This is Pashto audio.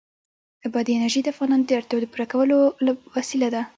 بادي انرژي د افغانانو د اړتیاوو د پوره کولو وسیله ده.